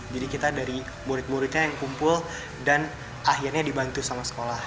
jadi kita dari murid muridnya yang kumpul dan akhirnya dibantu sama sekolah